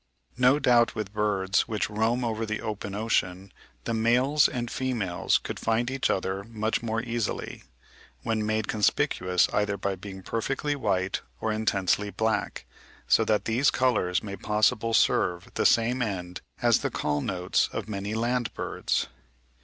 No doubt with birds which roam over the open ocean, the males and females could find each other much more easily, when made conspicuous either by being perfectly white or intensely black; so that these colours may possibly serve the same end as the call notes of many land birds.